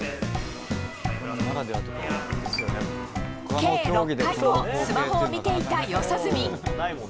計６回もスマホを見ていた四十住。